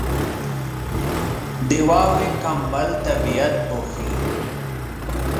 • د واورې کمبل طبیعت پوښي.